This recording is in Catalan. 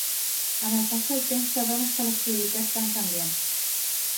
Amb el pas del temps t'adones que les prioritats van canviant